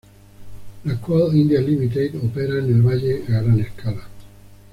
La Coal India Limited opera en el valle a gran escala.